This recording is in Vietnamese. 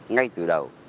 ngay từ đầu